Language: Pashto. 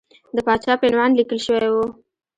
د پاچا په عنوان لیکل شوی وو.